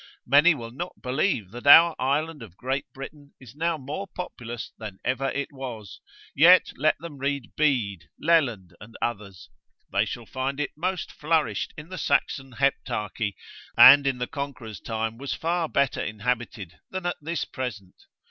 Many will not believe but that our island of Great Britain is now more populous than ever it was; yet let them read Bede, Leland and others, they shall find it most flourished in the Saxon Heptarchy, and in the Conqueror's time was far better inhabited, than at this present.